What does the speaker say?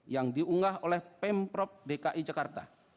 yang diunggah oleh pemprov dki jakarta